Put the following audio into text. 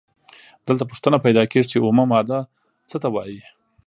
دلته پوښتنه پیدا کیږي چې اومه ماده څه ته وايي؟